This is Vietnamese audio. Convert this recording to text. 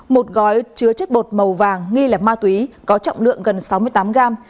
một gói chứa chất bột màu vàng nghi lẻ ma túy có trọng lượng gần sáu mươi tám gram